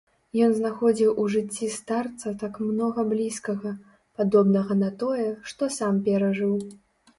Ён знаходзіў у жыцці старца так многа блізкага, падобнага на тое, што сам перажыў.